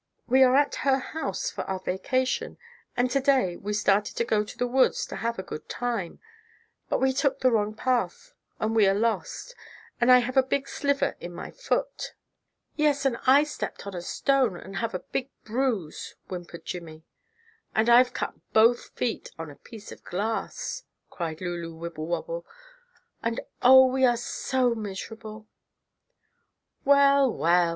We are at her house for our vacation, and to day we started to go to the woods to have a good time, but we took the wrong path and we are lost, and I have a big sliver in my foot." "Yes, and I stepped on a stone, and have a big bruise," whimpered Jimmie. "And I've cut both feet on a piece of glass," cried Lulu Wibblewobble, "and Oh, we are all so miserable!" "Well, well!"